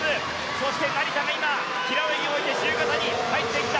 そして成田が今、平泳ぎを終えて自由形に入っていった。